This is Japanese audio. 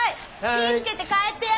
気ぃ付けて帰ってや。